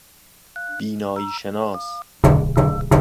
بینایی شناس